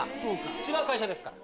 違う会社ですから。